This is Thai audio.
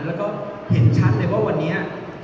แล้วก็เห็นชัดเลยว่าวันนี้